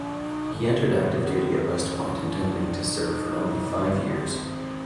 He entered active duty at West Point, intending to serve for only five years.